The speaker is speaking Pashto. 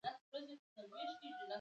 پښتون ژغورني غورځنګ د پښتنو نوې هيله ده.